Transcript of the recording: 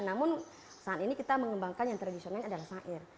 namun saat ini kita mengembangkan yang tradisionalnya adalah syair